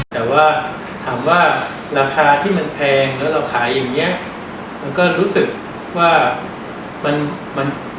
แต่ว่าถามว่าราคาที่มันแพงแล้วเราขายอย่างเงี้ยมันก็รู้สึกว่ามันมัน